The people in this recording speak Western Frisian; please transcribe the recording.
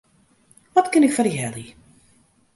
Wat kin ik foar dy helje?